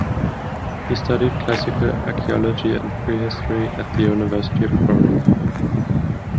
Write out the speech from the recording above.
He studied classical archaeology and prehistory at the University of Groningen.